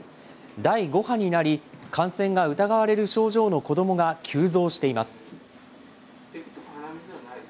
第５波になり、感染が疑われる症状の子どもが急増しています。